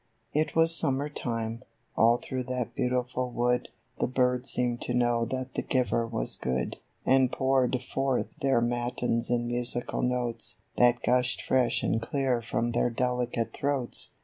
I T was summer time : all through that beautiful wood The birds seemed to know that the Giver was good, And poured forth their matins in musical notes, That gushed fresh and clear from their delicate throats.